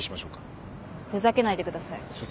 ふざけないでください。